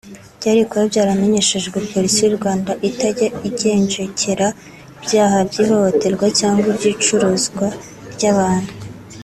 byari kuba byaramenyeshejwe Polisi y’u Rwanda itajya igenjekera ibyaha by’ihohoterwa cyangwa iby’icuruzwa ry’abantu